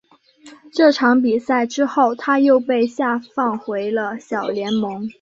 这场比赛之后他又被下放回了小联盟。